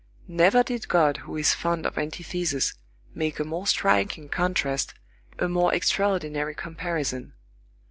Never did God, who is fond of antitheses, make a more striking contrast, a more extraordinary comparison.